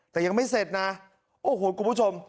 แต่ยังไม่เสร็จนะโอ้โหคุณผู้ชม